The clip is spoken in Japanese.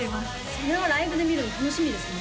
それはライブで見るの楽しみですね